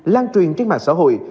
lan truyền trên mạng xã hội